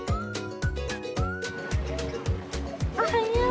おはよう！